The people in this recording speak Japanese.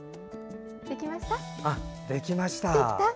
できました。